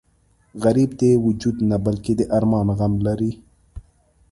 غریب د وجود نه بلکې د ارمان غم لري